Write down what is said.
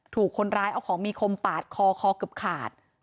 ถูกคนร้ายเอาของมีคมปาดคอคอเกือบขาด